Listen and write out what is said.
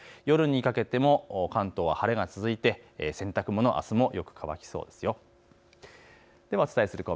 夜にかけても関東晴れが続いて洗濯物、あすもよく乾きそうです。